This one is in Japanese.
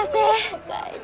お帰り。